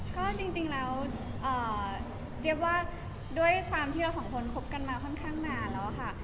ก็จริงแล้วเจี๊ยบว่าด้วยความที่เราสองคนคบกันมาค่อนข้างนานแล้วค่ะ